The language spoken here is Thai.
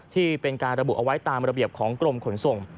ที่เป็นการระบุเอาไว้ตามระเบียบของกรมขนส่ง